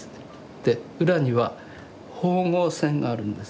で裏には縫合線があるんです。